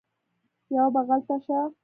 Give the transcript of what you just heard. یوه بغل ته شه